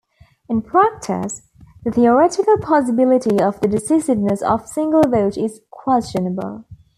In practice, the theoretical possibility of the decisiveness of a single vote is questionable.